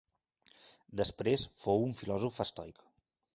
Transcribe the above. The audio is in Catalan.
Després fou un filòsof estoic.